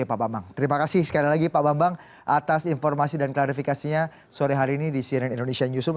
satu ratus lima puluh satu ya pak bambang terima kasih sekali lagi pak bambang atas informasi dan klarifikasinya sore hari ini di cnn indonesia newsroom